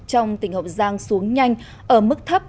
trong tỉnh hậu giang xuống nhanh ở mức thấp